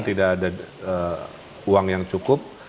tidak ada uang yang cukup